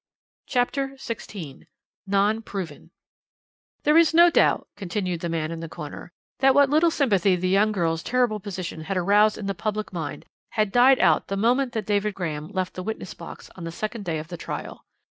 CHAPTER XVI "NON PROVEN" "There is no doubt," continued the man in the corner, "that what little sympathy the young girl's terrible position had aroused in the public mind had died out the moment that David Graham left the witness box on the second day of the trial.